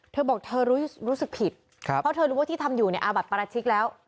เธอบอกเธอรู้สึกผิดเพราะเธอรู้ว่าที่ทำอยู่เนี่ยอาบัติปราชิกแล้ว